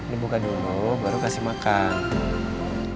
dibuka dulu baru kasih makan